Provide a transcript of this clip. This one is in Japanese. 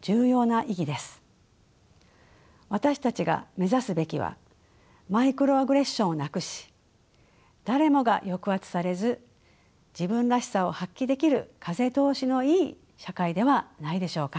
私たちが目指すべきはマイクロアグレッションをなくし誰もが抑圧されず自分らしさを発揮できる風通しのいい社会ではないでしょうか。